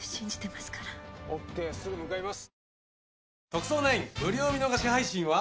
『特捜９』無料見逃し配信は。